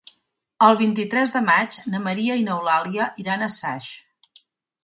El vint-i-tres de maig na Maria i n'Eulàlia iran a Saix.